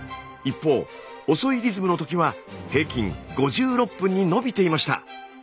一方遅いリズムの時は平均５６分にのびていました。